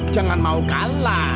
jangan mau kalah